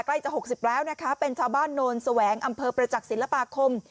ใกล้จะ๖๐แล้วนะคะเป็นชาวบ้านโนนแสวงอำเภอประจักษิลปาคม